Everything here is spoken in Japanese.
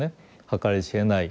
計り知れない